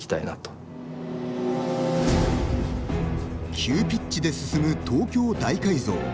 急ピッチで進む東京大改造。